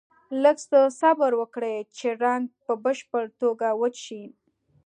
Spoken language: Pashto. لږ څه صبر وکړئ چې رنګ په بشپړه توګه وچ شي.